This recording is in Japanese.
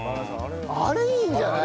あれいいんじゃない？